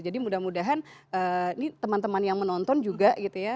jadi mudah mudahan ini teman teman yang menonton juga gitu ya